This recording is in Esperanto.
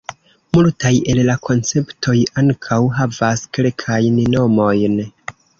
Multaj el la konceptoj ankaŭ havas kelkajn nomojn.